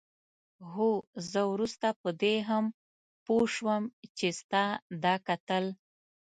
هو زه وروسته په دې هم پوه شوم چې ستا دا کتل.